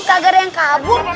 kagak ada yang kabur